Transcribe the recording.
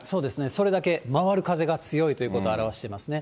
それだけ回る風が強いということを表していますね。